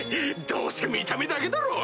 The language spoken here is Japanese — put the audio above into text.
どうせ見た目だけだろ！